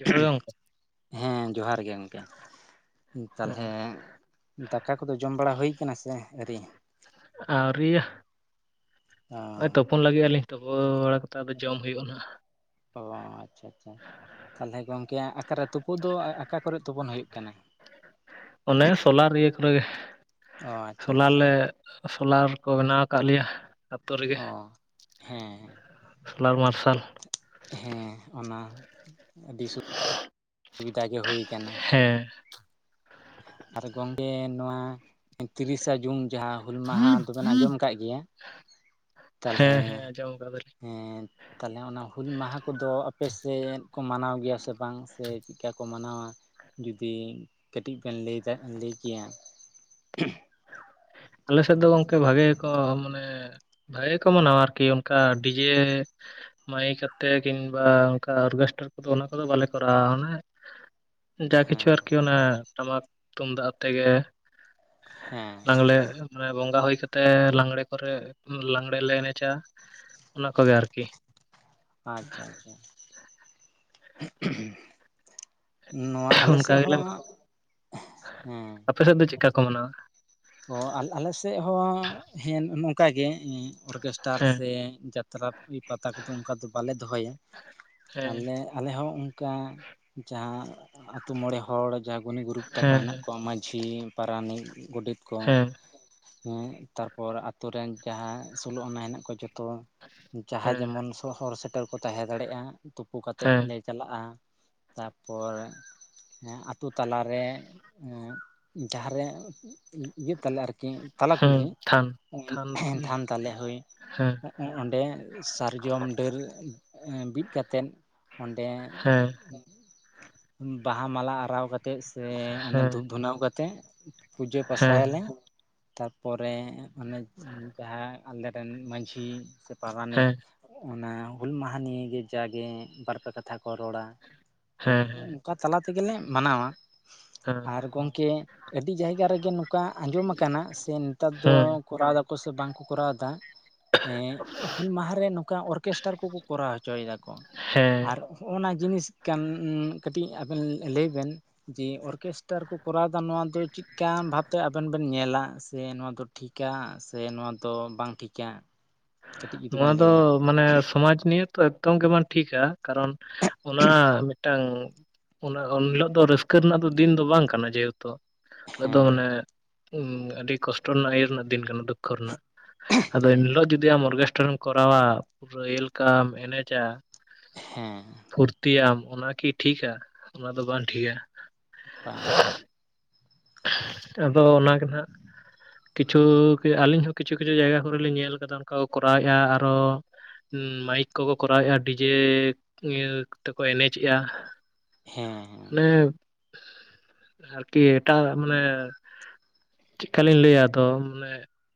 ᱡᱚᱦᱟᱨ ᱜᱮ ᱜᱚᱝᱠᱮ ᱦᱮᱸ ᱡᱚᱦᱟᱨ ᱜᱮ ᱜᱚᱝᱠᱮ᱾ ᱛᱟᱞᱦᱮ ᱫᱟᱠᱟ ᱠᱚᱫᱚ ᱡᱚᱢ ᱵᱟᱲᱟ ᱦᱩᱭ ᱠᱟᱱᱟ ᱥᱮ ᱟᱹᱣᱨᱤ? ᱟᱣᱨᱤᱭᱟ, ᱦᱳᱭ ᱛᱚ ᱚ ᱯᱷᱳᱱ ᱞᱮᱫ ᱜᱤᱭᱟ ᱞᱤᱱᱜ ᱛᱚᱯᱚᱱ ᱞᱟᱹᱜᱤᱫ ᱟᱹᱞᱤᱧ ᱛᱚᱯᱚ ᱵᱟᱲᱟ ᱠᱟᱛᱮᱮᱫ ᱟᱫᱚ ᱡᱚᱢ ᱦᱩᱭᱩᱜᱼᱟ ᱱᱟᱦᱟᱜ᱾ ᱚ ᱟᱪᱪᱷᱟ ᱟᱪᱪᱷᱟ, ᱛᱟᱞᱦᱮ ᱜᱚᱝᱠᱮ ᱚᱟᱨᱮ ᱛᱚᱯᱩᱫᱚ ᱚᱠᱟ ᱠᱚᱨᱮ ᱛᱩᱯᱩᱱ ᱦᱩᱭᱩᱜ ᱠᱟᱱᱟ? ᱚᱱᱮ ᱥᱳᱞᱟᱨ ᱤᱭᱟᱹ ᱠᱚᱨᱮ ᱜᱮ, ᱚ ᱟᱪᱪᱷᱟ ᱥᱳᱞᱟᱨ ᱟᱪᱪᱷᱟ ᱞᱮ ᱥᱳᱞᱟᱨ ᱠᱚ ᱵᱮᱱᱟᱣ ᱠᱟᱫ ᱞᱮᱭᱟ ᱟᱹᱛᱩᱳ ᱨᱮᱜᱮ, ᱚ ᱦᱮᱸ ᱥᱳᱞᱟᱨ ᱢᱟᱨᱥᱟᱞ ᱦᱮᱸ ᱚᱱᱟ ᱟᱹᱰᱤ ᱥᱩ ᱥᱩᱵᱤᱫᱷᱟ ᱜᱮ ᱦᱩᱭ ᱠᱟᱱᱟ ᱾ ᱦᱮᱸ ᱟᱨ ᱜᱚᱝᱠᱮ ᱱᱚᱣᱟ ᱛᱤᱨᱤᱥᱟ ᱡᱩᱱ ᱡᱟᱦᱟ ᱦᱩᱞ ᱢᱟᱦᱟ ᱫᱚᱵᱮᱱ ᱟᱡᱚᱢ ᱠᱟᱫ ᱜᱮᱭᱟ, ᱦᱮᱸ ᱛᱟᱞᱦᱮ ᱦᱮᱸ ᱟᱸᱡᱚᱢ ᱟᱠᱟᱫᱟᱞᱤᱧ [unintelligible] ᱛᱟᱦᱚᱞᱮ ᱚᱱᱟ ᱦᱩᱞ ᱢᱟᱦᱟ ᱠᱚᱫᱚ ᱟᱯᱮ ᱥᱮᱫ ᱠᱚ ᱢᱟᱱᱟᱣ ᱜᱮᱭᱟ ᱥᱮ ᱵᱟᱝ ᱥᱮ ᱪᱮᱫᱠᱟ ᱠᱚ ᱢᱟᱱᱟᱣᱟ? ᱡᱩᱚᱫᱤ ᱠᱟᱹᱴᱤᱡ ᱵᱮᱱ ᱞᱟᱹᱭ ᱠᱮᱭᱟ? ᱟᱞᱮ ᱥᱮᱫ ᱫᱚ ᱜᱚᱢᱠᱮ ᱵᱷᱟᱜᱮ ᱜᱮ ᱠᱚ ᱢᱟᱱᱮ ᱵᱷᱟᱜᱮ ᱜᱮᱠᱚ ᱢᱟᱱᱟᱣᱟ ᱟᱨᱠᱤ ᱚᱱᱠᱟ ᱰᱤᱡᱮ ᱢᱟᱹᱭᱤᱠ ᱠᱟᱛᱮ ᱠᱤᱢᱵᱟ ᱚᱱᱠᱟ ᱚᱨᱜᱮᱥᱴᱟᱨ ᱠᱚᱫᱚ ᱚᱱᱟ ᱠᱚᱫᱚ ᱵᱟᱞᱮ ᱠᱚᱨᱟᱣᱟ ᱚᱱᱮ ᱡᱟ ᱠᱤᱪᱷᱩ ᱦᱮᱸ ᱟᱨᱠᱤ ᱚᱱᱟ ᱴᱟᱢᱟᱠ ᱛᱩᱢᱫᱟᱜ ᱛᱮᱜᱮ ᱦᱮᱸ ᱟᱞᱮ ᱢᱟᱱᱮ ᱵᱚᱸᱜᱟ ᱦᱩᱭ ᱠᱟᱛᱮ ᱞᱟᱜᱽᱬᱮ ᱠᱚᱨᱮ ᱞᱟᱜᱽᱬᱮ ᱞᱮ ᱮᱱᱮᱡᱟ ᱾ ᱚᱱᱟ ᱠᱚᱜᱮ ᱟᱨᱠᱤ, ᱟᱪᱷᱟ ᱟᱪᱷᱟ, ᱱᱚᱣᱟ ᱟᱞᱮ ᱚᱱᱠᱟ ᱥᱮᱫ ᱜᱮᱞᱮ ᱦᱚᱸ, ᱦᱮᱸ ᱟᱯᱮ ᱥᱮᱫ ᱫᱚ ᱪᱤᱫᱠᱟ ᱠᱚ ᱢᱟᱱᱟᱣᱟ? ᱚ ᱟᱞᱮ ᱥᱮᱫ ᱦᱚᱸ ᱦᱮᱸ ᱱᱚᱝᱠᱟ ᱜᱮ ᱚᱨᱜᱮᱥᱴᱟᱨ ᱦᱮᱸ ᱥᱮ ᱡᱟᱛᱨᱟ ᱯᱟᱛᱟ ᱠᱚᱫᱚ ᱚᱱᱠᱟ ᱫᱚ ᱵᱟᱞᱮ ᱫᱚᱦᱚᱭᱟ, ᱦᱮᱸ ᱟᱞᱮ ᱟᱞᱮ ᱦᱚᱸ ᱚᱱᱠᱟ, ᱡᱟᱦᱟᱸ ᱟᱛᱳ ᱢᱚᱬᱮ ᱦᱚᱲ᱾ ᱡᱟ ᱜᱩᱱᱤ ᱜᱩᱨᱩᱵ ᱛᱟᱠᱚ ᱦᱮᱱᱟᱜ ᱦᱮᱸ ᱠᱚᱣᱟ ᱢᱟᱹᱡᱷᱤ ᱯᱟᱨᱟᱱᱤᱠ ᱜᱚᱰᱮᱛ ᱠᱚ᱾ ᱦᱮᱸ ᱦᱮᱸ ᱛᱟᱨᱯᱚᱨ ᱟᱛᱳ ᱨᱮᱱ ᱡᱟᱦᱟᱸ ᱥᱳᱞᱳᱟᱱᱟᱜ ᱦᱮᱱᱟᱜ ᱠᱚᱣᱟ ᱡᱷᱚᱛᱚ᱾ ᱡᱟᱦᱟᱸᱭ ᱦᱮᱸ ᱡᱮᱢᱚᱱ ᱥᱚᱦᱚᱨ ᱥᱮᱴᱮᱨ ᱠᱚ ᱛᱟᱦᱮᱸ ᱫᱟᱲᱮᱭᱟᱜᱼᱟ ᱛᱩᱯᱩ ᱠᱟᱛᱮ ᱦᱮᱸ ᱞᱮ ᱪᱟᱞᱟᱜᱼᱟ ᱛᱟᱯᱚᱨ, ᱦᱮᱸ ᱟᱛᱳ ᱛᱟᱞᱟᱨᱮ ᱡᱟᱦᱟ ᱨᱮ, ᱤᱭᱟᱹᱜ ᱛᱟᱞᱮ ᱟᱨᱠᱤ ᱛᱟᱞᱟ ᱦᱮᱸ ᱠᱩᱞᱦᱤ ᱛᱷᱟᱱ ᱛᱷᱟᱱ ᱛᱷᱟᱱ ᱛᱟᱞᱮ ᱦᱳᱭ᱾ ᱦᱮᱸ ᱚᱸᱰᱮ ᱥᱟᱨᱡᱚᱢ ᱰᱟᱹᱨ ᱵᱤᱫ ᱠᱟᱛᱮᱫ ᱚᱸᱰᱮ ᱦᱮᱸ ᱵᱟᱦᱟ ᱢᱟᱞᱟ ᱟᱨᱟᱣ ᱠᱟᱛᱮᱫ᱾ ᱥᱮ ᱚᱱᱮ ᱦᱮᱸ ᱫᱷᱩᱯ ᱫᱷᱩᱱᱟᱣ ᱠᱟᱛᱮᱫ ᱯᱩᱡᱟᱹ ᱦᱮᱸ ᱦᱮᱸ ᱯᱟᱥᱟᱭᱟᱞᱮ᱾ ᱛᱟᱨᱯᱚᱨᱮ ᱢᱟᱱᱮ ᱡᱟᱦᱟᱸ ᱟᱞᱮᱨᱮᱱ ᱢᱟᱺᱡᱷᱤ ᱥᱮ ᱯᱟᱨᱟᱱᱤᱠ᱾ ᱦᱮᱸ ᱚᱱᱟ ᱦᱩᱞ ᱢᱟᱦᱟ ᱱᱤᱭᱮ ᱡᱟᱜᱮ ᱵᱟᱨᱯᱮ ᱠᱟᱛᱷᱟ ᱠᱚ ᱨᱚᱲᱟ ᱦᱳᱭ᱾ ᱚᱠᱟ ᱛᱟᱞᱟ ᱛᱮᱜᱮᱞᱮ ᱢᱟᱱᱟᱣᱟ ᱦᱮᱸ ᱟᱨ ᱜᱚᱢᱠᱮ ᱟᱹᱰᱤ ᱡᱟᱭᱜᱟ ᱨᱮᱜᱮ, ᱚᱱᱠᱟ ᱟᱡᱚᱢ ᱠᱟᱱᱟ ᱥᱮ ᱱᱮᱛᱟᱨ ᱫᱚ ᱦᱮᱸ ᱠᱚᱨᱟᱣ ᱫᱟᱠᱚ ᱥᱮ ᱵᱟᱝ ᱠᱚ ᱠᱚᱨᱟᱣ ᱫᱟ᱾ ᱦᱮ ᱦᱩᱞ ᱢᱟᱦᱟ ᱨᱮ ᱱᱚᱝᱠᱟ ᱚᱨᱠᱮᱥᱴᱟᱨ ᱠᱚᱠᱚ ᱠᱚᱨᱟᱣ ᱦᱚᱪᱚᱭ ᱫᱟᱠᱚ ᱦᱮᱸ ᱟᱨ, ᱦᱚᱜ-ᱚ ᱱᱟ ᱡᱤᱱᱤᱥ ᱠᱟᱱ ᱠᱟᱹᱴᱤᱡ ᱟᱵᱮᱱ ᱞᱟᱹᱭ ᱵᱮᱱ᱾ ᱡᱮ ᱚᱨᱠᱮᱥᱴᱟᱨ ᱠᱚ ᱠᱚᱨᱟᱣᱮᱫᱟ ᱱᱚᱣᱟ ᱫᱚ ᱪᱮᱫ? ᱪᱤᱠᱟᱱ ᱵᱷᱟᱵᱛᱮ ᱟᱵᱮᱱ ᱵᱮᱱ ᱧᱮᱞᱟ ᱥᱮ ᱱᱚᱣᱟ ᱫᱚ ᱴᱷᱤᱠᱟ ᱥᱮ ᱱᱚᱣᱟ ᱫᱚ ᱵᱟᱝ ᱴᱷᱤᱠᱟ? ᱠᱟᱹᱴᱤᱡ ᱡᱩᱫᱤ ᱱᱚᱣᱟ ᱵᱮᱱ ᱫᱚ ᱞᱟᱹᱭᱟ ᱢᱟᱱᱮ ᱥᱚᱢᱟᱡ ᱱᱤᱭᱟ. ᱛᱚ ᱮᱠᱫᱚᱢ ᱜᱮ ᱵᱟᱝ ᱴᱷᱤᱠᱟ᱾ ᱠᱟᱨᱚᱱ ᱚᱱᱟ ᱢᱤᱫᱴᱟᱝ ᱚᱱᱟ ᱩᱱᱦᱤᱞᱳᱜ ᱫᱚ ᱨᱟᱹᱥᱠᱟᱹ ᱨᱮᱱᱟᱜ ᱫᱚ ᱫᱤᱱ ᱫᱚ ᱵᱟᱝ ᱠᱟᱱᱟ ᱡᱮᱦᱮᱛᱩ ᱦᱤᱞᱳᱜ ᱫᱚ ᱦᱮᱸ ᱢᱟᱱᱮ, ᱦᱚᱸ ᱟᱹᱰᱤ ᱠᱚᱥᱴᱚ ᱨᱮᱱᱟᱜ ᱤᱭᱟᱹ ᱨᱮᱱᱟᱜ ᱫᱤᱱ ᱠᱟᱱᱟ ᱫᱩᱠᱠᱷᱚ ᱨᱮᱱᱟᱜ ᱟᱫᱚ ᱮᱱ ᱦᱮᱸ ᱦᱤᱞᱚᱜ ᱡᱩᱫᱤ? ᱡᱩᱫᱤ ᱟᱢ ᱚᱨᱜᱮᱥᱴᱟᱨᱮᱢ ᱠᱚᱨᱟᱣᱟ ᱯᱩᱨᱟᱹ ᱳᱭᱮᱞᱠᱟᱢ ᱮᱱᱮᱡᱟ᱾ ᱦᱮᱸ, ᱯᱷᱩᱨᱛᱤᱭᱟᱢ ᱚᱱᱟᱠᱤ ᱴᱷᱤᱠᱟ ᱚᱱᱟ ᱫᱚ ᱵᱟᱝ ᱴᱷᱤᱠᱟ᱾ ᱵᱟᱝ ᱵᱟᱝ, ᱟᱫᱚ ᱚᱱᱟ ᱜᱮ ᱱᱟᱜ᱾ ᱠᱤᱪᱷᱩ ᱟᱹᱞᱤᱧ ᱦᱚᱸ ᱠᱤᱪᱷᱩ ᱠᱤᱪᱷᱩ ᱡᱟᱭᱜᱟ ᱠᱚᱨᱮ ᱞᱤᱧ ᱧᱮᱞ ᱠᱟᱫᱟ ᱚᱱᱠᱟ ᱠᱚ ᱠᱚᱨᱟᱣᱮᱫᱼᱟ ᱟᱨᱦᱚ ᱢᱟᱹᱭᱤᱠ ᱠᱚᱠᱚ ᱠᱚᱨᱟᱣᱮᱫᱼᱟ ᱰᱤᱡᱮ, ᱤᱭᱟᱹ ᱛᱮᱠᱚ ᱮᱱᱮᱡᱮᱜᱼᱟ᱾ ᱦᱮᱸᱻ ᱦᱮᱸ, ᱢᱟᱱᱮ, ᱟᱨᱠᱤ ᱮᱴᱟᱜ ᱢᱟᱱᱮ ᱪᱮᱜᱽᱠᱟᱞᱤᱧ ᱞᱟᱹᱭᱟ ᱟᱫᱚ ᱢᱟᱱᱮ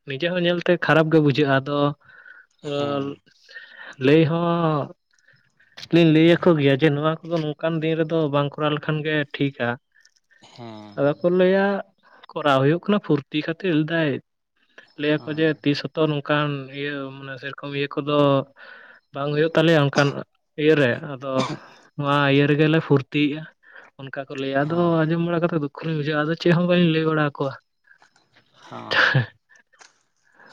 ᱱᱤᱡᱟᱹ ᱦᱚᱸ ᱧᱮᱞᱛᱮ ᱠᱷᱟᱨᱟᱯ ᱜᱮ ᱵᱩᱡᱷᱟᱹᱜᱼᱟ ᱟᱫᱚ ᱟᱨ ᱦᱮᱸ ᱞᱟᱹᱭ ᱦᱚᱸ ᱞᱤᱧ ᱞᱟᱹᱭ ᱟᱠᱚ ᱜᱮᱭᱟ ᱡᱮ ᱱᱚᱣᱟ ᱠᱚᱫᱚ ᱱᱚᱝᱠᱟᱱ ᱫᱤᱱ ᱨᱮᱫᱚ ᱵᱟᱝ ᱠᱚ, ᱠᱚᱨᱟᱣ ᱞᱮᱠᱷᱟᱱ ᱜᱮ ᱴᱷᱤᱠᱟ ᱦᱮᱸ ᱟᱫᱚ ᱠᱚ, ᱞᱟᱹᱭᱟ ᱠᱚᱨᱟᱣ ᱦᱩᱭᱩᱜ ᱠᱟᱱᱟ ᱯᱷᱩᱨᱛᱤ ᱠᱷᱟᱹᱛᱤᱨ ᱞᱮᱫᱟᱭ ᱞᱟᱹᱭᱟᱠᱚ ᱡᱮ ᱦᱮᱸ ᱛᱤᱥ ᱛᱚ ᱱᱚᱝᱠᱟᱱ ᱤᱭᱟᱹ ᱢᱟᱱᱮ ᱥᱮᱨᱚᱠᱚᱢ ᱤᱭᱟᱹ ᱠᱚᱫᱚ, ᱵᱟᱝ ᱦᱩᱭᱩᱜ ᱛᱟᱞᱮᱭᱟ ᱚᱱᱠᱟᱱ ᱤᱭᱟᱹᱨᱮ ᱟᱫᱚ ᱱᱚᱣᱟ ᱤᱭᱟᱹ ᱨᱮᱜᱮᱞᱮ ᱯᱷᱩᱨᱛᱤᱭᱮᱫᱼᱟ᱾ ᱚᱱᱠᱟ ᱠᱚ ᱞᱟᱹᱭᱟ ᱟᱫᱚ ᱦᱮᱸ ᱟᱸᱡᱚᱢ ᱵᱟᱲᱟ ᱠᱟᱛᱮ ᱫᱩᱠᱷᱚ ᱞᱤᱧ ᱵᱩᱡᱷᱟᱹᱣᱟ, ᱟᱫᱚ ᱪᱮᱜᱽ ᱦᱚᱸ ᱵᱟᱹᱞᱤᱧ ᱞᱟᱹᱭ ᱵᱟᱲᱟ ᱟᱠᱚᱣᱟ᱾ ᱦᱚᱸ,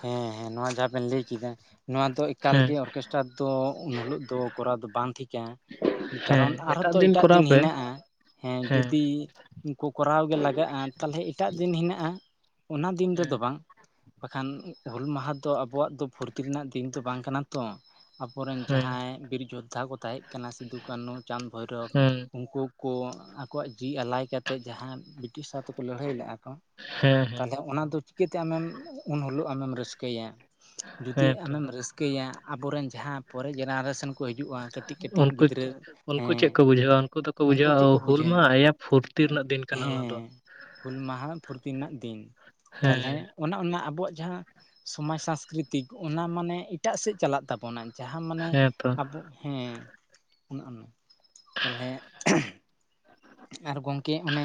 ᱦᱮᱸ ᱦᱮᱸ ᱱᱚᱣᱟ ᱡᱟᱦᱟᱸ ᱵᱮᱱ ᱞᱟᱹᱭ ᱠᱮᱫᱟ? ᱱᱚᱣᱟ ᱫᱚ ᱮᱠᱟᱞ ᱦᱮᱸ ᱜᱮ ᱚᱨᱠᱮᱥᱴᱟᱨ ᱫᱚ ᱩᱱ ᱦᱤᱞᱳᱜ ᱫᱚ ᱠᱚᱨᱟᱣ ᱫᱚ ᱵᱟᱝ ᱴᱷᱤᱠᱟ᱾ ᱦᱮᱸ ᱠᱟᱨᱚᱱ ᱟᱨᱦᱚᱸ ᱛᱚ ᱮᱴᱟᱜ ᱠᱚᱨᱟᱣ ᱫᱤᱱ ᱯᱮ ᱦᱮᱱᱟᱜᱼᱟ ᱦᱮᱸ ᱡᱩᱫᱤ ᱩᱱ ᱠᱚ ᱠᱚᱨᱟᱣ ᱜᱮ ᱞᱟᱜᱟᱜᱼᱟ ᱛᱟᱦᱚᱞᱮ ᱮᱴᱟᱜ ᱫᱤᱱ ᱦᱮᱱᱟᱜᱼᱟ᱾ ᱚᱱᱟ ᱫᱤᱱ ᱦᱮᱸ ᱨᱮᱫᱚ ᱵᱟᱝ᱾ ᱠᱷᱟᱱ ᱦᱩᱞ ᱢᱟᱦᱟ ᱫᱚ ᱟᱵᱚᱣᱟᱜ ᱫᱚ ᱯᱷᱩᱨᱛᱤ ᱨᱮᱱᱟᱜ ᱫᱤᱱ ᱫᱚ ᱵᱟᱝ ᱠᱟᱱᱟ ᱛᱚ ᱟᱵᱚᱨᱮᱱ ᱦᱮᱸ ᱡᱟᱦᱟᱸᱭ ᱵᱤᱨ ᱡᱳᱫᱽᱫᱷᱟ ᱠᱚ ᱛᱟᱦᱮᱸᱜ ᱠᱟᱱᱟ ᱥᱤᱫᱩ, ᱠᱟᱹᱱᱩ, ᱪᱟᱸᱫᱽ, ᱵᱷᱳᱭᱨᱳᱚᱵᱽ ᱦᱮᱸ ᱩᱱᱠᱩ ᱠᱩ ᱟᱠᱚᱣᱟᱜ ᱡᱤᱣᱤ ᱟᱞᱟᱭ ᱠᱟᱛᱮᱫ ᱡᱟᱦᱟᱸ ᱵᱤᱴᱤᱥ ᱥᱟᱶ ᱛᱮᱠᱚ ᱞᱟᱹᱲᱦᱟᱹᱭ ᱞᱮᱜᱟ ᱠᱚ ᱦᱮᱸ ᱦᱮᱸ ᱛᱟᱦᱚᱞᱮ ᱚᱱᱟᱫᱚ ᱪᱤᱠᱟᱹᱛᱮ ᱟᱢᱮᱢ ᱩᱱ ᱦᱤᱞᱳᱜ ᱟᱢᱮᱢ ᱨᱟᱹᱥᱠᱟᱹᱭᱟ? ᱡᱩᱫᱤ ᱦᱮᱸ ᱛᱚ ᱟᱢᱮᱢ ᱨᱟᱹᱥᱠᱟᱹᱭᱟ ᱟᱵᱚᱨᱮᱱ ᱡᱟᱦᱟᱸ ᱯᱚᱨᱮ ᱡᱮᱱᱟᱨᱮᱥᱚᱱ ᱠᱚ ᱦᱤᱡᱩᱜᱼᱟ ᱠᱟᱹᱴᱤᱡ ᱠᱟᱹᱴᱤᱡ ᱩᱱᱠᱩ ᱜᱤᱫᱽᱨᱟᱹ ᱩᱱᱠᱩ ᱦᱮᱸ ᱪᱮᱜᱽ ᱠᱚ ᱵᱩᱡᱷᱟᱹᱣᱟ ᱩᱱᱠᱩ ᱫᱚᱠᱚ ᱵᱩᱡᱷᱟᱹᱣᱟ ᱪᱮᱫ ᱠᱚ ᱦᱩᱞᱢᱟ ᱵᱩᱡᱷᱟᱹᱣᱟ ᱮᱭᱟ ᱯᱷᱩᱨ ᱛᱤ ᱨᱮᱱᱟᱜ ᱫᱤᱱ ᱠᱟᱱᱟ ᱚᱱᱟ ᱫᱚ ᱦᱮᱸ ᱦᱩᱞ ᱢᱟᱦᱟ ᱯᱷᱩᱨᱛᱤ ᱨᱮᱱᱟᱜ ᱫᱤᱱ ᱛᱟᱞᱚᱞᱮ ᱦᱮᱸ ᱚᱱᱟ ᱚᱱᱟ ᱟᱵᱚᱣᱟᱜ ᱡᱟᱦᱟᱸ ᱥᱚᱢᱟᱡ ᱥᱟᱝᱥᱠᱨᱤᱛᱤᱠ ᱚᱱᱟ ᱢᱟᱱᱮ ᱮᱴᱟᱜ ᱥᱮᱫ ᱪᱟᱞᱟᱜ ᱛᱟᱵᱚᱱᱟ ᱡᱟᱦᱟᱸ ᱢᱟᱱᱮ ᱦᱮᱸ ᱛᱚ ᱟᱵᱚ ᱦᱮᱸ ᱚᱱᱮ ᱚᱱᱟ ᱛᱟᱦᱚᱞᱮ ᱟᱨ ᱜᱚᱝᱠᱮ ᱚᱱᱮ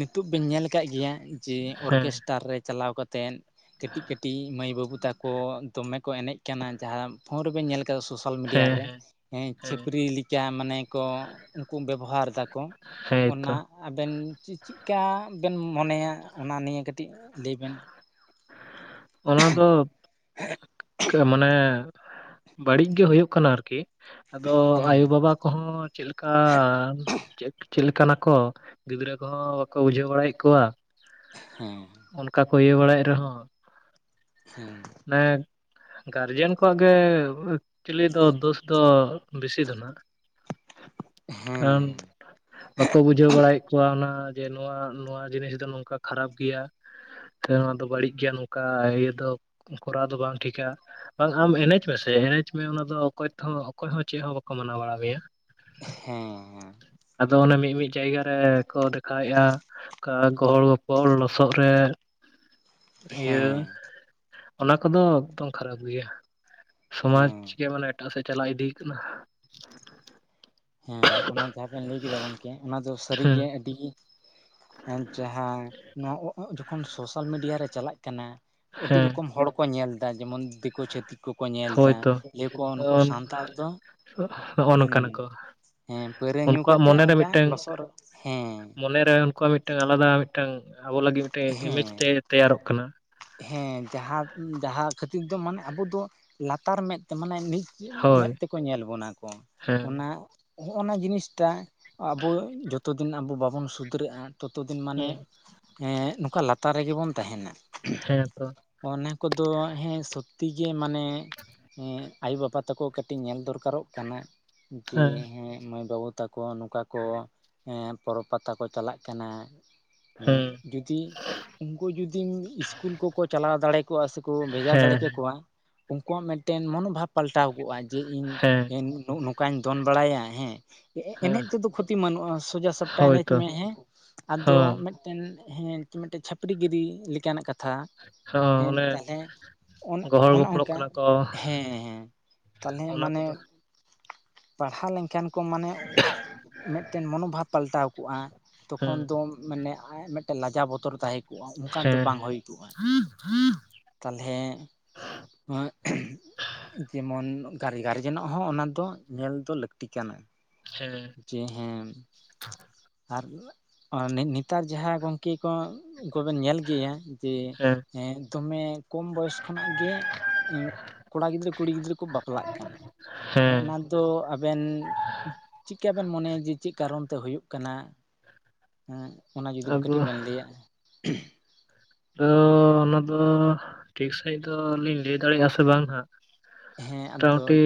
ᱱᱤᱛᱚᱜ ᱵᱮᱱ ᱧᱮᱞ ᱠᱟᱜ ᱜᱮᱭᱟ ᱡᱮ ᱦᱮᱸ ᱚᱨᱠᱮᱥᱴ ᱛᱟᱨ ᱨᱮ ᱪᱟᱞᱟᱣ ᱠᱟᱛᱮᱱ ᱠᱟᱹᱴᱤᱡ ᱠᱟᱹᱴᱤᱡ ᱢᱟᱹᱭ ᱵᱟᱹᱵᱩ ᱛᱟᱠ ᱠᱚ ᱫᱚᱢᱮ ᱠᱚ ᱮᱱᱮᱡ ᱠᱟᱱᱟ ᱡᱟᱦᱟᱸ ᱯᱷᱳᱱ ᱨᱮᱵᱮᱱ ᱧᱮᱞ ᱟᱠᱟᱫᱟ ᱥᱩᱥᱩ ᱥᱳᱥᱟᱞ ᱢᱤᱰᱤᱭᱟ ᱦᱮᱸ ᱨᱮ ᱦᱮᱸ ᱦᱮᱸ ᱪᱷᱟᱹᱯᱨᱤ ᱞᱮᱠᱟ ᱢᱟᱱᱮ ᱠᱚ ᱩᱱᱠᱩ ᱵᱮᱵᱚᱦᱟᱨ ᱮᱫᱟᱠᱚ ᱦᱮᱸᱛᱚ ᱚᱱᱟ ᱟᱵᱮᱱ ᱪᱮ ᱪᱮᱠᱟ ᱵᱮᱱ ᱢᱚᱱᱮᱭᱟ? ᱚᱱᱟ ᱱᱤᱭᱟᱹ ᱠᱟᱹᱴᱤᱡ ᱞᱟᱹᱭ ᱵᱮᱱ ᱚᱱᱟ ᱫᱚ ᱠᱮ ᱢᱟᱱᱮ ᱵᱟᱹᱲᱤᱡ ᱜᱮ ᱦᱩᱭᱩᱜ ᱠᱟᱱᱟ ᱟᱨᱠᱤ ᱟᱫᱚ ᱦᱩᱸ ᱟᱭᱳᱼᱵᱟᱵᱟ ᱠᱚᱦᱚᱸ ᱪᱮᱞᱮᱠ ᱠᱟᱱ ᱪᱮ ᱪᱮᱫ ᱞᱮᱠᱟᱱᱟᱠᱚ ᱜᱤᱫᱽᱨᱟᱹ ᱠᱚᱦᱚᱸ ᱵᱟᱠᱚ ᱵᱩᱡᱷᱟᱹᱣ ᱵᱟᱲᱟᱭᱮᱫ ᱠᱚᱣᱟ ᱦᱮᱸ ᱚᱱᱠᱟ ᱠᱚ ᱤᱭᱟᱹ ᱵᱟᱲᱟᱭᱮᱜᱽ ᱨᱮᱦᱚᱸ ᱦᱮᱱ ᱮᱜ ᱜᱟᱨᱡᱮᱱ ᱠᱚᱣᱟᱜ ᱜᱮ ᱮᱠᱪᱩᱞᱤ ᱫᱳᱥ ᱫᱚ ᱵᱮᱥᱤ ᱫᱚ ᱱᱟᱜ ᱠᱷᱟᱱ ᱦᱮᱸ ᱵᱟᱠᱚ ᱵᱩᱡᱷᱟᱹᱣ ᱵᱟᱲᱟᱭᱮᱫ ᱠᱚᱣᱟ ᱚᱱᱟ ᱡᱮ ᱱᱚᱣᱟ ᱱᱚᱣᱟ ᱡᱤᱱᱤᱥ ᱫᱚ ᱱᱚᱝᱠᱟ ᱠᱷᱟᱨᱟᱯ ᱜᱮᱭᱟ ᱥᱮ ᱱᱚᱣᱟ ᱫᱚ ᱵᱟᱹᱲᱤᱡ ᱜᱮᱭᱟ ᱱᱚᱝᱠ ᱠᱟ ᱤᱭᱟᱹ ᱫᱚ ᱠᱚᱨᱟᱣ ᱫᱚ ᱵᱟᱝ ᱴᱷᱤᱠᱟ ᱵᱟᱝᱠᱷᱟᱱ ᱮᱱᱮᱡ ᱢᱮᱥᱮ ᱮᱱᱮᱡ ᱢᱮ ᱚᱱᱟ ᱫᱚ ᱚᱠᱚᱭ ᱛᱚᱦᱚᱸ ᱚᱠᱚᱭ ᱦᱚᱸ ᱪᱮᱫ ᱦᱚᱸ ᱵᱟᱠᱚ ᱢᱟᱱᱟᱣ ᱵᱟᱲᱟ ᱢᱮᱭᱟ ᱦᱮᱸ ᱦᱮᱸ ᱟᱫᱚ ᱚᱱᱮ ᱢᱤᱫ ᱢᱤᱫ ᱡᱟᱭᱜᱟ ᱨᱮ ᱠᱚ ᱫᱮᱠᱷᱟᱣᱮᱜᱼᱟ ᱠᱟ ᱜᱚᱦᱚᱲ ᱜᱚᱯᱚᱲ ᱞᱚᱥᱚᱫ ᱨᱮ ᱤᱭᱟᱹ ᱦᱮᱸ ᱚᱱᱟ ᱠᱚᱫᱚ ᱮᱠᱫᱚᱢ ᱠᱷᱟᱨᱟᱯ ᱜᱮᱭᱟ ᱥᱚᱢᱟᱡᱽ ᱦᱮᱸ ᱜᱮ ᱢᱟᱱᱮ ᱮᱴᱟᱜ ᱥᱮᱫ ᱪᱟᱞᱟᱣ ᱤᱫᱤ ᱠᱟᱱᱟ ᱦᱮᱸ ᱚᱱᱟ ᱡᱟᱦᱟᱸ ᱵᱮᱱ ᱞᱟᱹᱭ ᱠᱮᱫᱟ ᱜᱚᱝᱠᱮ ᱚᱱᱟ ᱫᱚ ᱦᱮᱸ ᱥᱟᱹᱨᱤᱜᱮ ᱟᱹᱰᱤᱜᱤ ᱮ ᱡᱟᱦᱟᱸ ᱱᱚᱣᱟ ᱜ ᱜ ᱡᱚᱠᱷᱚᱱ ᱥᱳᱥᱟᱞ ᱢᱤᱰᱤᱭᱟ ᱨᱮ ᱪᱟᱞᱟᱜ ᱠᱟᱱᱟ ᱟᱹᱰᱤ ᱦᱮᱸ ᱨᱚᱠᱚᱢ ᱦᱚᱲ ᱠᱚ ᱧᱮᱞ ᱫᱟ ᱡᱮᱢᱚᱱ ᱫᱮᱠᱩ ᱪᱷᱟᱛ ᱛᱤ ᱠᱚᱠᱚ ᱧᱮᱞ ᱫᱟ ᱦᱳᱭᱛᱚ ᱞᱟᱹᱭᱠᱚ ᱩᱱᱩᱠᱩ ᱥᱟᱱᱛᱟᱲ ᱫᱚᱸ ᱱᱚᱜᱼᱚ ᱦᱩᱸ ᱱᱚᱝᱠᱟᱱᱟ ᱠᱚ ᱦᱮᱸ ᱯᱟᱹᱣᱨᱟᱹ ᱧᱩ ᱩᱱᱠᱩᱣᱟᱜ ᱠᱟᱛᱮᱫ ᱚᱱᱠᱟ ᱞᱚᱥᱚᱫ ᱨᱮ ᱦᱮᱸ ᱢᱚᱱᱮ ᱨᱮ ᱩᱱᱠᱩᱣᱟᱜ ᱢᱤᱫᱴᱟᱝ ᱟᱞᱟᱫᱟ ᱢᱤᱫᱴᱟᱝ ᱟᱵᱚ ᱞᱟᱹᱜᱤᱫ ᱢᱤᱫᱴᱟᱝ ᱤᱢᱮᱡᱽ ᱦᱮᱸ ᱛᱮ ᱛᱮᱭᱟᱨᱚᱜ ᱠᱟᱱᱟ ᱦᱮᱸ ᱡᱟᱦᱟᱸ ᱡᱟᱦᱟᱸ ᱠᱷᱟᱹᱛᱤᱨ ᱫᱚ ᱢᱟᱱᱮ ᱟᱵᱚ ᱫᱚ ᱞᱟᱛᱟᱨ ᱢᱮᱫ ᱛᱮ ᱢᱟᱱᱮ ᱱᱤᱪ ᱪᱤᱫ ᱦᱳᱭ ᱢᱮᱫ ᱛᱮᱠᱚ ᱧᱮᱞ ᱵᱚᱱᱟ ᱠᱚ ᱦᱮᱸ ᱚᱱᱟ ᱦᱚᱜᱚ ᱱᱟ ᱡᱤᱱᱤᱥᱴᱟ ᱟᱵᱚ ᱡᱚᱛᱚ ᱫᱤᱱ ᱟᱵᱚ ᱵᱟᱵᱚᱱ ᱥᱩᱫᱷᱨᱟᱹᱜᱼᱟ ᱛᱚᱛᱚ ᱫᱤᱱ ᱢᱟᱱᱮ ᱦᱮᱸ ᱮᱜ ᱱᱚᱝᱠᱟ ᱞᱟᱛᱟᱨ ᱨᱮᱜᱮ ᱵᱚᱱ ᱛᱟᱦᱮᱱᱟ ᱦᱮᱸ ᱛᱚ ᱚᱱᱟ ᱠᱚᱫᱚ ᱦᱮᱸ ᱥᱚᱛᱛᱤ ᱜᱮ ᱢᱟᱱᱮ ᱮᱜ ᱟᱭᱳᱼᱵᱟᱵᱟ ᱛᱟᱠᱚ ᱠᱟᱹᱴᱤᱡ ᱧᱮᱞ ᱫᱚᱨᱠᱟᱨᱚᱜ ᱠᱟᱱᱟ ᱡᱮ ᱦᱮᱸ ᱢᱟᱹᱭ ᱵᱟᱹᱵᱩ ᱛᱟᱠᱚ ᱱᱚᱝᱠᱟ ᱠᱚ ᱯᱚᱨᱚᱵᱽ ᱯᱟᱛᱟ ᱠᱚ ᱪᱟᱞᱟᱜ ᱠᱟᱱᱟ ᱦᱮᱸ ᱡᱩᱫᱤ ᱩᱱᱠᱩ ᱡᱩᱫᱤᱢ ᱤᱥᱠᱩᱞ ᱠᱚᱠᱚ ᱪᱟᱞᱟᱣ ᱫᱟᱲᱮ ᱠᱚᱜ-ᱟ ᱥᱮᱠᱚ ᱵᱷᱮᱡᱟ ᱫᱟᱲᱮ ᱦᱮᱸ ᱠᱮᱠᱚᱣᱟ ᱩᱱᱠᱩᱣᱟᱜ ᱢᱮᱫᱴᱮᱱ ᱢᱚᱱᱳᱵᱷᱟᱵᱽ ᱯᱟᱞᱴᱟᱣ ᱠᱚᱜᱼᱟ ᱡᱮ ᱤᱧ ᱦᱮᱸ ᱱᱚᱝᱠᱟᱧ ᱫᱚᱱ ᱵᱟᱲᱟᱭᱟ ᱦᱮᱸ ᱦᱮᱸ ᱮᱱᱮᱡ ᱛᱮᱫᱚ ᱠᱷᱚᱛᱤ ᱢᱟᱹᱱᱩᱜᱼᱟ ᱥᱳᱡᱷᱟ ᱥᱟᱯᱴᱟ ᱦᱳᱭ ᱮᱱᱮᱡ ᱛᱚ ᱢᱮ ᱦᱮᱸ ᱟᱫᱚ ᱦᱚᱸ ᱛᱮᱱ ᱦᱮᱸ ᱠᱤ ᱢᱤᱫᱴᱮᱱ ᱪᱷᱟᱹᱯᱲᱤ ᱜᱤᱨᱤ ᱞᱮᱠᱟᱱᱟᱜ ᱠᱟᱛᱷᱟ ᱠᱟᱛᱷᱟ ᱦᱚᱸ ᱦᱮᱸ ᱚᱱᱮ ᱛᱟᱦᱚᱞᱮ ᱜᱚᱦᱚᱲ ᱚᱱᱮ ᱜᱚᱯᱚᱲᱚᱜ ᱚᱱᱠᱟ ᱠᱟᱱᱟ ᱠᱚ ᱦᱮᱸ ᱦᱮᱸ ᱛᱟᱞᱦᱮ ᱚᱱᱟ ᱢᱟᱱᱮ ᱠᱚᱫᱚ ᱯᱟᱲᱦᱟᱣ ᱞᱮᱱᱠᱷᱟᱱ ᱠᱚ ᱢᱟᱱᱮ ᱢᱮᱴᱮᱱ ᱢᱚᱱᱳᱵᱷᱟᱵᱽ ᱯᱟᱞᱴᱟᱣ ᱠᱚᱜᱼᱟ ᱛᱚᱠᱷᱚᱱ ᱦᱮᱸ ᱫᱚ ᱢᱟᱱᱮ ᱟᱭᱟᱜ ᱢᱮᱫᱴᱮᱱ ᱞᱟᱡᱟᱣ ᱵᱚᱛᱚᱨ ᱛᱟᱦᱮᱸ ᱠᱚᱜᱼᱟ ᱚᱱᱠᱟᱱ ᱫᱚ ᱦᱮᱸ ᱵᱟᱝ ᱦᱮᱸ ᱦᱳᱭ ᱠᱚᱜᱼᱟ ᱛᱟᱞᱦᱮ ᱱᱚᱣᱟ ᱡᱮᱢᱚᱱ ᱜᱟᱨ ᱜᱟᱨᱡᱮᱱᱚᱱᱟᱜ ᱦᱚᱸ ᱚᱱᱟ ᱫᱚ ᱧᱮᱞ ᱫᱚ ᱞᱟᱹᱠᱛᱤ ᱠᱟᱱᱟ ᱦᱮᱸ ᱡᱮ ᱦᱮᱸ ᱟᱨ ᱱᱤ ᱱᱤᱛᱟᱨ ᱡᱟᱦᱟᱸ ᱜᱚᱝᱠᱮ ᱠᱚ ᱠᱚᱵᱮᱱ ᱧᱮᱞ ᱜᱮᱭᱟ ᱡᱮ ᱦᱮᱸ ᱮ ᱫᱚᱢᱮ ᱠᱚᱢ ᱵᱚᱭᱚᱥ ᱠᱷᱚᱱᱟᱜ ᱜᱮ ᱠᱚᱲᱟ ᱜᱤᱫᱽᱨᱟᱹ ᱠᱩᱲᱤ ᱜᱤᱫᱽᱨᱟᱹ ᱠᱚ ᱵᱟᱯᱞᱟᱜ ᱠᱟᱱᱟ ᱦᱮᱸ ᱛᱚ ᱟᱵᱮᱱ ᱪᱤᱠᱟᱹ ᱵᱮᱱ ᱢᱚᱱᱮᱭᱟ ᱡᱮ ᱪᱮᱫ ᱠᱟᱨᱚᱱ ᱛᱮ ᱦᱩᱭᱩᱜ ᱠᱟᱱᱟ ᱦᱮᱸ ᱚᱱᱟ ᱡᱩᱫᱤ ᱟᱫᱚ ᱠᱟᱹᱴᱤᱡ ᱵᱮᱱ ᱞᱟᱹᱭᱟᱜᱼᱟ ᱟᱫᱚ ᱚᱱᱟ ᱫᱚ ᱴᱷᱤᱠ ᱥᱟᱺᱦᱤᱡ ᱫᱚᱞᱤᱧ ᱞᱟᱹᱭ ᱫᱟᱲᱮᱭᱟᱜᱼᱟ ᱥᱮ ᱵᱟᱝ ᱦᱟᱜ ᱦᱮᱸ ᱟᱫᱚ ᱢᱚᱴᱟᱢᱚᱴᱤ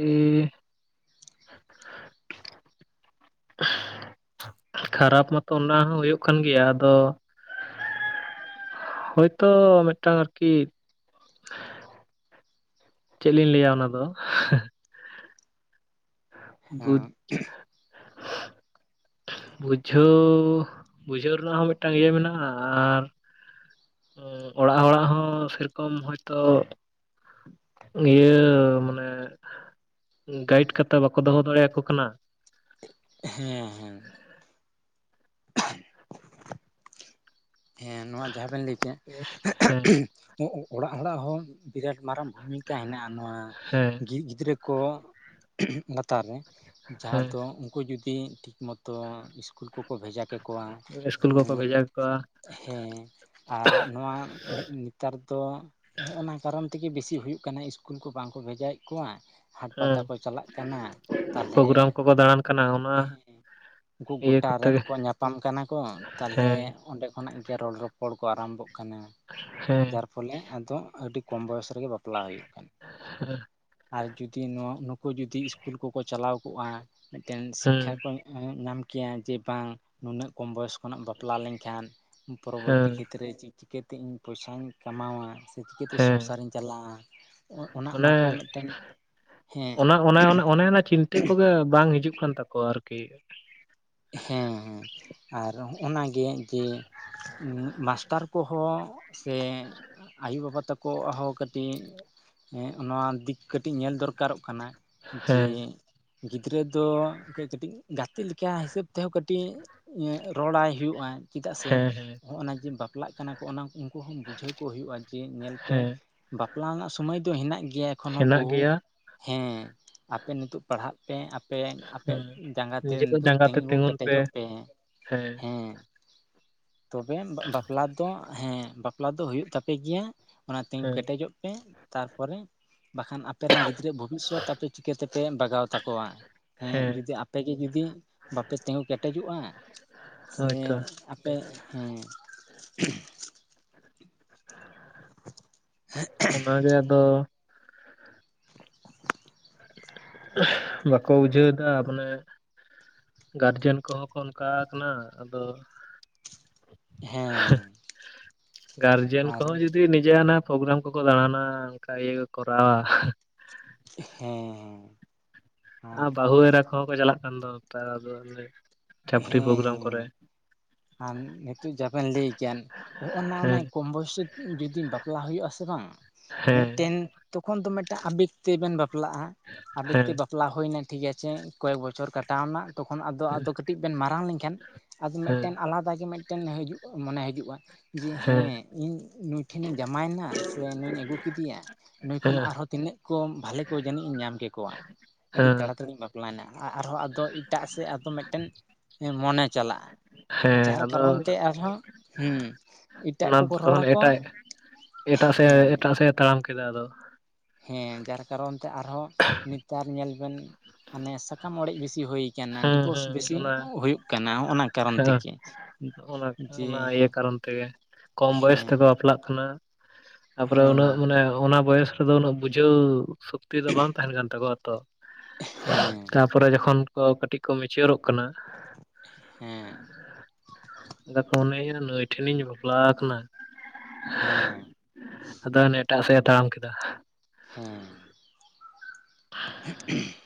ᱮ ᱠᱷᱟᱨᱟᱯ ᱢᱟᱛᱚ ᱚᱱᱟ ᱦᱚᱸ ᱦᱩᱭᱩᱜ ᱠᱟᱱ ᱜᱮᱭᱟ ᱟᱫᱚ ᱦᱳᱭᱛᱳ ᱢᱤᱫᱴᱟᱝ ᱟᱨᱠᱤ ᱪᱮᱫ ᱞᱤᱧ ᱞᱟᱹᱭᱟ ᱚᱱᱟ ᱫᱚ ᱵᱩᱡᱽ ᱦᱮᱸ [unintelligible] ᱵᱩᱡᱷᱟᱹᱣ ᱵᱩᱡᱷᱟᱹᱣ ᱨᱮᱱᱟᱜ ᱦᱚᱸ ᱢᱤᱫᱴᱟᱝ ᱤᱭᱟᱹ ᱢᱮᱱᱟᱜᱼᱟ ᱟᱨ ᱚᱲᱟᱜ ᱦᱚᱲᱟᱜ ᱦᱚᱸ ᱥᱮᱨᱚᱠᱚᱢ ᱦᱚᱭᱛᱳ ᱤᱭᱟᱹ ᱢᱟᱱᱮ ᱜᱟᱭᱤᱰ ᱠᱟᱛᱮ ᱵᱟᱠᱚ ᱫᱚᱦᱚ ᱫᱟᱲᱮᱭᱟᱠᱚ ᱠᱟᱱᱟ ᱦᱮᱸ ᱦᱮᱸ [inaudible] ᱦᱮᱸ ᱱᱚᱣᱟ ᱡᱟᱦᱟᱸ ᱵᱮᱱ ᱞᱟᱹᱭ ᱠᱮᱫ ᱦᱮᱸ ᱚᱲᱟᱜ ᱦᱚᱲᱟᱜ ᱦᱚᱸ ᱵᱤᱨᱟᱴ ᱢᱟᱨᱟᱝ ᱵᱷᱩᱢᱤ ᱠᱟ ᱦᱮᱱᱟᱜᱼᱟ ᱱᱚᱣᱟ ᱦᱮᱸ ᱜᱤᱫᱽᱨᱟᱹ ᱠᱚ ᱞᱟᱛᱟᱨ ᱨᱮ ᱡᱟᱦᱟᱸ ᱦᱮᱸ ᱫᱚ ᱩᱱᱠᱩ ᱡᱩᱫᱤ ᱴᱷᱤᱠ ᱢᱚᱛᱚ ᱤᱥᱠᱩᱞ ᱠᱚᱠᱚ ᱵᱷᱮᱡᱟ ᱠᱮ ᱠᱚ ᱠᱚᱣᱟ ᱤᱥᱠᱩᱞ ᱩ [unintelligible] ᱦᱮᱸ ᱟᱨ ᱱᱚᱣᱟ ᱱᱮᱛᱟᱨ ᱫᱚ ᱦᱮᱜᱼ ᱚᱱᱟ ᱠᱟᱨᱚᱱ ᱛᱮᱜᱮ ᱵᱮᱥᱤ ᱦᱩᱭᱩᱜ ᱠᱟᱱᱟ ᱤᱥᱠᱩᱞ ᱠᱚ ᱵᱟᱝ ᱠᱚ ᱵᱷᱮᱡᱟᱭᱮᱫ ᱠᱚᱣᱟ ᱦᱟᱴ ᱦᱮᱸ ᱯᱟᱛᱟ ᱠᱚ ᱪᱟᱞᱟᱜ ᱠᱟᱱᱟ ᱛᱟᱦᱚᱞᱮ ᱯᱨᱳᱜᱨᱟᱢ ᱠᱚᱠᱚ ᱫᱟᱬᱟᱱ ᱠᱟᱱᱟ ᱚᱱᱟ ᱦᱮᱸ ᱦᱮᱸ ᱩᱝᱠᱩ ᱤᱭᱟᱹ ᱜᱚᱴᱟ ᱠᱚᱛᱮ ᱨᱮᱱ ᱜᱮ ᱠᱚ ᱧᱟᱯᱟᱢ ᱠᱟᱱᱟ ᱠᱚ ᱛᱟᱦᱚᱞᱮ ᱦᱮᱸ ᱚᱸᱰᱮ ᱠᱷᱚᱱᱟᱜ ᱜᱮ ᱨᱚᱲ ᱨᱚᱯᱚᱲ ᱠᱚ ᱟᱨᱟᱢᱵᱚᱜ ᱠᱟᱱᱟ ᱦᱮᱸ ᱡᱟᱨ ᱯᱷᱚᱞᱮ ᱟᱫᱚ ᱟᱹᱰᱤ ᱠᱚᱢ ᱵᱚᱭᱚᱥ ᱨᱮᱜᱮ ᱵᱟᱯᱞᱟ ᱦᱩᱭᱩᱜ ᱠᱟᱱᱟ ᱟᱨ ᱡᱩᱫᱤ ᱱᱚᱣᱟ ᱱᱩᱠᱩ ᱡᱩᱫᱤ ᱥᱠᱩᱞ ᱠᱚᱠᱚ ᱪᱟᱞᱟᱣ ᱠᱚᱜᱼᱟ ᱢᱤᱫᱴᱮᱱ ᱦᱮᱸ ᱥᱤᱠᱠᱷᱟ ᱠᱚ ᱧᱟᱢ ᱠᱮᱭᱟ ᱡᱮ ᱵᱟᱝ ᱱᱩᱱᱟᱹᱜ ᱠᱚᱢ ᱵᱚᱭᱚᱥ ᱠᱷᱚᱱᱟᱜ ᱵᱟᱯᱞᱟ ᱞᱮᱱᱠᱷᱟᱱ ᱯᱚᱨᱚᱵᱚᱨᱛᱤ ᱦᱮᱸ ᱠᱷᱮᱛᱨᱮ ᱪᱮᱜ ᱪᱤᱠᱟᱹᱛᱤᱧ ᱯᱚᱭᱥᱟᱧ ᱠᱟᱢᱟᱣᱟ ᱾ ᱥᱮ ᱪᱤᱠᱟᱹᱛᱮ ᱦᱮᱸ ᱥᱚᱝᱥᱟᱨᱤᱧ ᱪᱟᱞᱟᱣᱟ, ᱚᱜ ᱚᱱᱚ ᱚᱱᱟ ᱢᱟᱱᱮ ᱠᱚ ᱢᱮᱜᱴᱮᱱ ᱚᱱᱟ ᱚᱱᱮ ᱚᱱᱟ ᱚᱱ ᱚᱱᱮ ᱚᱱᱟ ᱪᱤᱱ ᱤᱴᱟᱹ ᱠᱚᱜᱮ ᱵᱟᱝ ᱦᱤᱡᱩᱜ ᱠᱟᱱ ᱛᱟᱠᱚᱣᱟ ᱟᱨᱠᱤ ᱾ ᱦᱮᱸ ᱦᱮᱸ ᱟᱨ ᱦᱚᱜᱼᱱᱟ ᱜᱮ ᱡᱮ ᱩᱸᱜ, ᱢᱟᱥᱴᱟᱨ ᱠᱚᱦᱚᱸ ᱥᱮ ᱟᱭᱳ ᱵᱟᱵᱟ ᱛᱟᱠ ᱚᱣᱟᱜ ᱦᱚ ᱠᱟᱹᱴᱤᱡ ᱮᱸᱜ ᱱᱚᱣᱟ ᱫᱤᱠ ᱠᱟᱹᱴᱤᱜ ᱧᱮᱞ ᱫᱚᱨᱠᱟᱨᱚᱜ ᱠᱟᱱᱟ ᱾ ᱡᱮ ᱦᱮᱸ ᱜᱤᱫᱽᱨᱟᱹ ᱫᱚ ᱠᱟᱹ ᱠᱟᱹᱴᱤᱡ ᱜᱟᱛᱮᱜ ᱞᱤᱠᱟᱭ ᱦᱤᱥᱟᱹᱵ ᱛᱮᱦᱚᱸ ᱠᱟᱹᱴᱤᱡ ᱨᱚᱲᱟᱭ ᱦᱩᱭᱩᱜᱼᱟ ᱾ ᱪᱤᱫᱟᱜ ᱥᱮ ᱦᱮᱸ ᱦᱮᱸ ᱦᱚᱸᱜᱼᱱᱟ ᱡᱮ ᱵᱟᱯᱞᱟᱜ ᱠᱟᱱᱟ ᱠᱚ ᱚᱱᱟ ᱩᱝᱠᱩ ᱦᱚᱸ ᱵᱩᱡᱷᱟᱹᱣ ᱠᱚ ᱦᱩᱭᱩᱜᱼᱟ, ᱡᱮ ᱧᱮᱞ ᱯᱮ ᱦᱮᱸ ᱵᱟᱯᱞᱟ ᱨᱮᱱᱟᱜ ᱥᱳᱢᱚᱭ ᱫᱚ ᱦᱮᱱᱟᱜ ᱜᱮᱭᱟ ᱮᱠᱷᱚᱱ ᱦᱚᱸ ᱦᱮᱱᱟᱜ ᱵᱩᱦᱩ ᱜᱮᱭᱟ ᱾ ᱦᱮᱸ, ᱟᱯᱮ ᱱᱤᱛᱚᱜ ᱯᱟᱲᱦᱟᱜ ᱯᱮ ᱟᱯᱮ ᱦᱮᱸ ᱟᱯᱮᱭᱟᱜ ᱡᱟᱸᱜᱟ ᱛᱮ ᱱᱤᱡᱮ ᱠᱚ ᱱᱤᱛᱚᱜ ᱡᱟᱸᱜᱟ ᱛᱮ ᱛᱤᱸᱜᱩ ᱛᱤᱸᱜᱩᱱ ᱠᱮᱴᱮᱡᱚᱜ ᱯᱮ ᱾ ᱦᱮᱸ ᱾ ᱛᱚᱵᱮ ᱵᱟᱯᱞᱟ ᱫᱚ ᱦᱮᱸ ᱵᱟᱯᱞᱟ ᱫᱚ ᱦᱩᱭᱩᱜ ᱛᱟᱯᱮ ᱜᱮᱭᱟ ᱾ ᱚᱱᱟ ᱛᱤᱸᱜᱩ ᱦᱮᱸ ᱠᱮᱴᱮᱡᱚᱜ ᱯᱮ ᱛᱟᱨᱯᱚᱨᱮ ᱵᱟᱠᱷᱟᱱ ᱟᱯ ᱟᱯᱮ ᱨᱮᱱ ᱜᱤᱫᱽᱨᱟᱹᱣᱟᱜ ᱵᱷᱚᱵᱤᱥᱥᱚᱛ ᱟᱯᱮ ᱪᱤᱠᱟᱹᱛᱮ ᱯᱮ ᱵᱟᱜᱟᱣ ᱛᱟᱠᱚᱣᱟ ᱾ ᱮᱸᱜ, ᱦᱮᱸ ᱡᱩᱫᱤ ᱟᱯᱮ ᱜᱮ ᱡᱩᱫᱤ ᱵᱟᱯᱮ ᱛᱤᱸᱜᱳ ᱠᱮᱴᱮᱡᱚᱜᱼᱟ [inaudible] ᱥᱮ ᱦᱳᱭᱛᱚ ᱟᱯᱮ, ᱦᱮᱸ [inaudible] ᱚᱱᱟᱜᱮ ᱟᱫᱚ ᱵᱟᱠᱚ ᱵᱩᱡᱷᱟᱹᱣ ᱮᱫᱟ, ᱢᱟᱱᱮ ᱜᱟᱨᱡᱮᱱ ᱠᱚᱦᱚᱸ ᱠᱚ ᱚᱱᱠᱟᱣ ᱟᱠᱟᱱᱟ ᱾ ᱟᱫᱚ ᱦᱮᱸ [unintelligible] ᱜᱟᱨᱡᱮᱱ ᱟᱨ ᱠᱚᱦᱚᱸ ᱡᱩᱫᱤ ᱱᱤᱡᱮ ᱟᱱᱟ ᱯᱨᱳᱜᱨᱟᱢ ᱠᱚᱠᱚ ᱫᱟᱬᱟᱱᱟ ᱚᱱᱠᱟ ᱤᱭᱟᱹ ᱠᱚ ᱠᱚᱨᱟᱣᱟ ᱾ ᱦᱮᱸᱻ ᱟᱨ ᱵᱟᱹᱦᱩ ᱮᱨᱟ ᱠᱚᱦᱚᱸ ᱠᱚ ᱪᱟᱞᱟᱜ ᱠᱟᱱ ᱫᱚ ᱱᱮᱛᱟᱨ ᱟᱫᱚ ᱚᱱᱮ ᱪᱷᱟᱯᱨᱤ ᱯᱨᱳᱜᱨᱟᱢ ᱠᱚᱨᱮ ᱾ ᱟᱱ ᱱᱤᱛᱚᱜ ᱡᱟᱵᱮᱱ ᱞᱟᱹᱭ ᱠᱮᱜ-ᱟ ᱦᱚᱜᱼᱱᱟ ᱚᱱᱮ ᱦᱮᱸ ᱠᱚᱢ ᱵᱚᱭᱥᱤ ᱨᱮ ᱡᱩᱫᱤ ᱵᱟᱯᱞᱟ ᱦᱩᱭᱩᱜ-ᱟ ᱥᱮ ᱵᱟᱝ ᱦᱮᱸ ᱾ ᱢᱤᱫᱴᱮᱱ ᱛᱚᱠᱷᱚᱱ ᱫᱚ ᱢᱮᱫᱴᱟᱜ ᱟᱵᱮᱠ ᱛᱮᱵᱮᱱ ᱵᱟᱯᱞᱟᱜᱼᱟ ᱾ ᱟᱵᱮᱠ ᱛᱮ ᱦᱮᱸ ᱵᱟᱯ ᱵᱟᱯᱞᱟ ᱦᱳᱭ ᱮᱱᱟ ᱴᱷᱤᱠ ᱟᱪᱷᱮ, ᱠᱚᱭᱮᱠ ᱵᱚᱪᱷᱚᱨ ᱠᱟᱴᱟᱣ ᱮᱱᱟ ᱛᱚᱠᱷᱚᱱ ᱟᱫᱚ ᱟᱫᱚ ᱠᱟᱹᱴᱤᱡ ᱵᱮᱱ ᱢᱟᱨᱟᱝ ᱞᱮᱱᱠᱷᱟᱱ ᱟᱫᱚ ᱢᱮᱫ ᱦᱮᱸ ᱟᱞᱟᱫᱟ ᱜᱮ ᱢᱮᱫᱴᱮᱱ ᱦᱟᱹᱡᱩᱜ ᱢᱚᱱᱮ ᱦᱤᱡᱩᱜᱼᱟ ᱾ ᱡᱮ ᱦᱮᱸ ᱤᱧ ᱱᱩᱭ ᱴᱷᱮᱱᱤᱧ ᱡᱟᱢᱟᱭᱮᱱᱟ ᱥᱮ ᱱᱩᱭᱤᱧ ᱟᱹᱜᱩ ᱠᱤᱫᱤᱭᱟ ᱱᱩᱭ ᱠᱷᱚᱱ ᱦᱮᱸ ᱟᱨᱦᱚᱸ ᱛᱤᱱᱟᱹᱜ ᱠᱚᱢ ᱵᱷᱟᱞᱮ ᱠᱚ ᱡᱟᱹᱱᱤᱡ ᱤᱧ ᱧᱟᱢ ᱠᱮᱠᱚᱣᱟ ᱾ ᱟᱹᱰᱤ ᱛᱟᱲᱟ ᱦᱮᱸ ᱛᱟᱹᱲᱤᱧ ᱵᱟᱯ ᱵᱟᱯᱞᱟᱭᱱᱟ, ᱟ ᱟᱨᱦᱚᱸ ᱟᱫᱚ ᱤᱴᱟᱜ ᱥᱮᱜ ᱟᱫᱚ ᱢᱮᱫᱴᱮᱱ ᱢᱚᱱᱮ ᱪᱟᱞᱟᱜᱼᱟ ᱾ ᱦᱮᱸ ᱟᱫᱚ ᱦᱮᱸ ᱮᱴᱟᱜ ᱚᱱᱟ ᱠᱚᱠᱚ ᱫᱚ ᱨᱚᱲ ᱛᱚᱠᱷᱚᱱ ᱟᱠᱚᱣᱟ ᱮᱴᱟᱜ ᱮᱴᱟᱜ ᱥᱮᱜ ᱦᱮᱸ ᱮᱴᱟᱜ ᱥᱮᱜ ᱮ ᱛᱟᱲᱟᱢ ᱠᱮᱫᱟ ᱟᱫᱚ ᱾ ᱦᱮᱸ ᱡᱟᱨ ᱠᱟᱨᱚᱱ ᱛᱮ ᱟᱨᱦᱚᱸ ᱱᱤᱛᱟᱨ ᱧᱮᱞ ᱵᱮᱱ ᱦᱟᱱᱮ ᱥᱟᱠᱟᱢ ᱚᱲᱮᱡ ᱵᱮᱥᱤ ᱦᱩᱭ ᱠᱟᱱᱟ ᱦᱩᱸ ᱰᱤᱵᱳᱨᱥ ᱦᱩᱸ ᱵᱮᱥᱤ ᱚᱱᱟ ᱦᱩᱭᱩᱜ ᱠᱟᱱᱟ ᱾ ᱱᱚᱜ-ᱱᱟ ᱦᱮᱸ, ᱚᱱᱟ ᱚᱱᱟ ᱤᱭᱟᱹ ᱦᱮᱸ ᱠᱟᱨᱚᱱ ᱛᱮᱜᱮ ᱠᱚᱢ ᱵᱚᱭᱚᱥ ᱦᱮᱸ ᱛᱮᱠᱚ ᱵᱟᱯᱞᱟᱜ ᱠᱟᱱᱟ ᱾ ᱛᱟᱯᱚᱨᱮ ᱩᱱᱟᱹᱜ ᱦᱮᱸ ᱢᱟᱱᱮ ᱚᱱᱟ ᱵᱚᱭᱮᱥ ᱨᱮᱫᱚ ᱩᱱᱟᱹᱜ ᱵᱩᱡᱷᱟᱹᱣ ᱥᱚᱠᱛᱤ ᱫᱚ ᱵᱟᱝ ᱛᱟᱦᱮᱱ ᱠᱟᱱ ᱛᱟᱠᱚᱣᱟ ᱛᱚ ᱾ ᱮᱜᱼᱦᱮᱸ ᱯᱚᱨᱮ ᱡᱚᱠᱷᱚᱱ ᱠᱚ ᱠᱟᱹᱴᱤᱡ ᱠᱚ ᱢᱤᱪᱭᱚᱨᱚᱜ ᱠᱟᱱᱟᱼᱼ ᱦᱮᱸ [inaudible] ᱱᱩᱭ ᱱᱩᱭ ᱴᱷᱮᱱᱤᱧ ᱵᱟᱯᱞᱟ ᱟᱠᱟᱱᱟ᱾ ᱦᱩᱸ ᱟᱫᱚ ᱚᱱᱮ ᱮᱴᱟᱜ ᱥᱮᱫ ᱮ ᱛᱟᱲᱟᱢ ᱠᱮᱫᱟ᱾ ᱦᱮᱸ [unintelligible] [unintelligible]